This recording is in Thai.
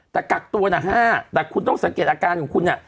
แต่กักตัวนะ๕แต่คุณต้องสังเกตอาการของคุณ